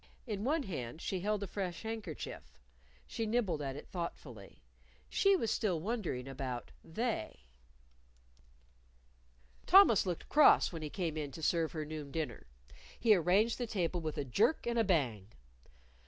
In one hand she held a fresh handkerchief. She nibbled at it thoughtfully. She was still wondering about "They." Thomas looked cross when he came in to serve her noon dinner. He arranged the table with a jerk and a bang.